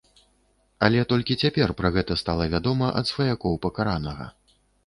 Але толькі цяпер пра гэта стала вядома ад сваякоў пакаранага.